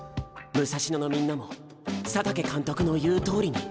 武蔵野のみんなも佐竹監督の言うとおりに。